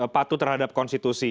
patuh terhadap konstitusi